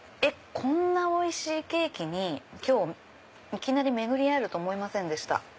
こんなおいしいケーキに今日いきなり巡り合えると思いませんでした。